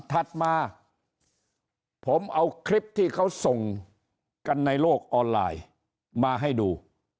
ถัดมาผมเอาคลิปที่เขาส่งกันในโลกออนไลน์มาให้ดู